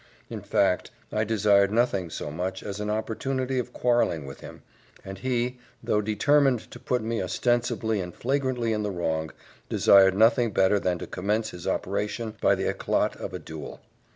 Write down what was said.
In fact, I desired nothing so much as an opportunity of quarrelling with him, and he, though determined to put me ostensibly and flagrantly in the wrong, desired nothing better than to commence his operation by the eclat of a duel.